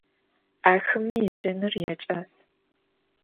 Axeme yêcenır yaç'as.